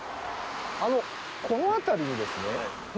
あのこの辺りにですね